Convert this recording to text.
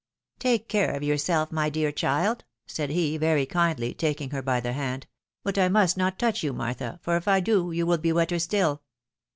" Take care of yourself, my dear child," said he, very kindly 62 THE WIDOW MARRIED. taking her by the hand. " But I must not touch you, Martha, for if I do you will be wetter still."